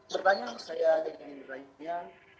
pertanyaan saya dari diri saya